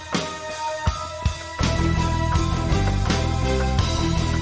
ก็ไม่น่าจะดังกึ่งนะ